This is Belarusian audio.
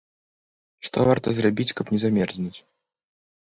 Што варта зрабіць, каб не замерзнуць?